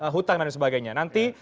hutang dan sebagainya nanti